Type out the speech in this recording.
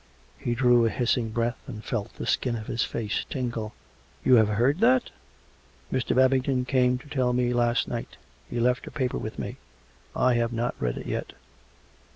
He drew a hissing breath, and felt the skin of his face tingle. " You have heard that }"" Mr. Babington came to tell me last night. He left a paper with me: I have not read it yet."